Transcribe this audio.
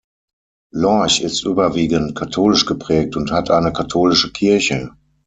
Lorch ist überwiegend katholisch geprägt und hat eine katholische Kirche.